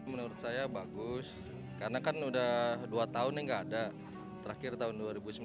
menurut saya bagus karena kan udah dua tahun ini nggak ada terakhir tahun dua ribu sembilan belas